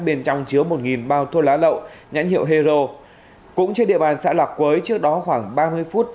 bên trong chứa một bao thuốc lá lậu nhãn hiệu hero cũng trên địa bàn xã lạc quới trước đó khoảng ba mươi phút